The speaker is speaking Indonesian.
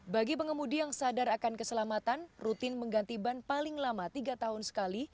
bagi pengemudi yang sadar akan keselamatan rutin mengganti ban paling lama tiga tahun sekali